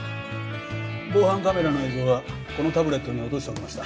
防犯カメラの映像はこのタブレットに落としておきました。